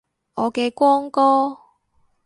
我嘅光哥